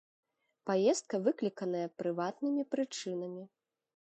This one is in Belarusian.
Паездка выкліканая прыватнымі прычынамі.